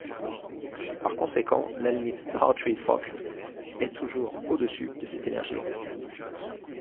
Par conséquent, la limite Hartree-Fock est toujours au-dessus de cette énergie exacte.